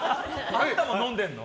あなたも飲んでるの？